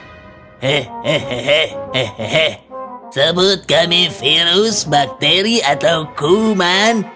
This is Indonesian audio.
hehehe sebut kami virus bakteri atau kuman